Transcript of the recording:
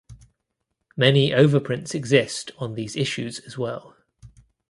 Many overprints exist on these issues as well.